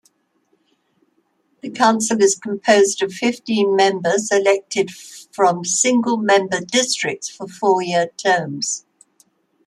The council is composed of fifteen members elected from single-member districts for four-year terms.